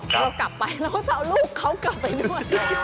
เรากลับไปเราก็จะเอาลูกเขากลับไปด้วย